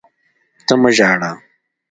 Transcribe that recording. ته مه ژاړه!